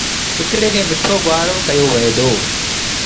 هڪڙي کي مٺو گُوآر ڪهيو وهي دو۔